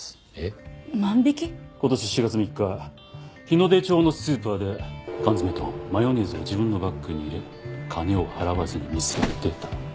今年４月３日日ノ出町のスーパーで缶詰とマヨネーズを自分のバッグに入れ金を払わずに店を出た。